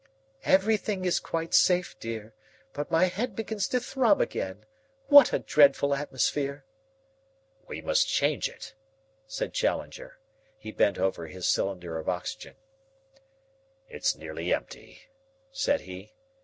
"Everything is quite safe, dear. But my head begins to throb again. What a dreadful atmosphere!" "We must change it," said Challenger. He bent over his cylinder of oxygen. "It's nearly empty," said he.